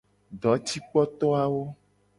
Dojikpoto awo.